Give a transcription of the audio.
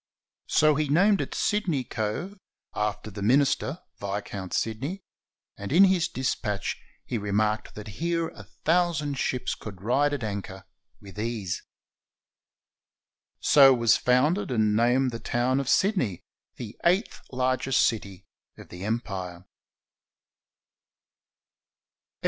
So he named it Sydney Cove, after the minister, Viscount Sydney, and in his dispatch he remarked that "here a thousand ships could ride at anchor with ease." So was founded and named the town of Sydney, the eighth largest city of the Empire.